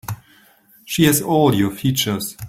She has all your features.